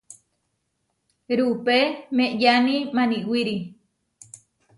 Rupe meʼyáni Maniwíri.